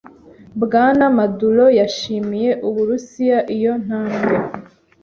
Bwana Maduro yashimiye Uburusiya iyo ntambwe.